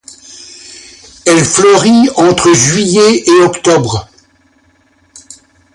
Elle fleurit entre juillet et octobre.